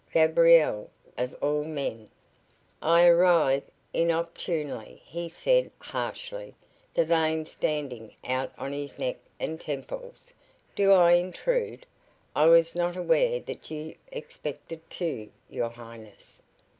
Gabriel, of all men! "I arrive inopportunely," he said, harshly, the veins standing out on his neck and temples. "Do I intrude? I was not aware that you expected two, your highness!"